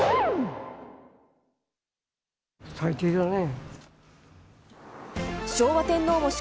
最低だね。